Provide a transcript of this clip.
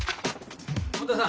本田さん